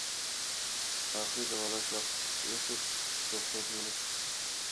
ئاخىرى داۋالاش ۋاقتى توشۇپ دوختۇردىن يېنىپ چىقىپتۇ.